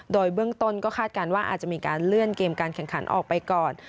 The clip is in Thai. โดยเบื้องต้นก็คาดการณ์ว่าอาจจะมีการเลื่อนเกมการแข่งขันออกไปก่อน